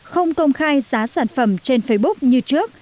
không công khai giá sản phẩm trên facebook như trước